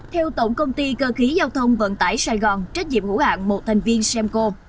theo tổng công ty cơ khí giao thông vận tải sài gòn trách nhiệm hữu hạng một thành viên samco